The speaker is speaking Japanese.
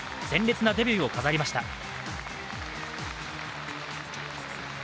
鮮烈なデビューを飾りました。